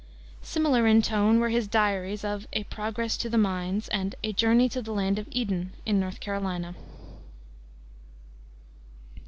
Similar in tone were his diaries of A Progress to the Mines and A Journey to the Land of Eden in North Carolina.